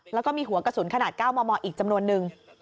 แล้วก็มีหัวกระสุนขนาด๙มมอีกจำนวนนึง